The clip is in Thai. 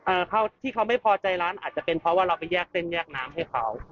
ที่เขาที่เขาไม่พอใจร้านอาจจะเป็นเพราะว่าเราไปแยกเส้นแยกน้ำให้เขา